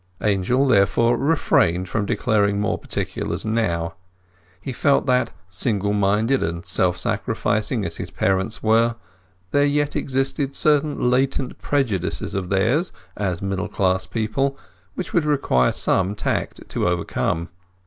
Angel therefore refrained from declaring more particulars now. He felt that, single minded and self sacrificing as his parents were, there yet existed certain latent prejudices of theirs, as middle class people, which it would require some tact to overcome.